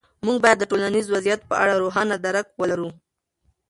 موږ باید د یو ټولنیز وضعیت په اړه روښانه درک ولرو.